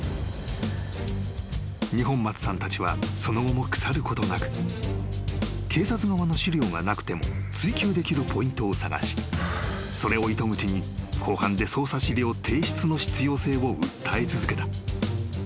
［二本松さんたちはその後も腐ることなく警察側の資料がなくても追及できるポイントを探しそれを糸口に公判で捜査資料提出の必要性を訴え続けた］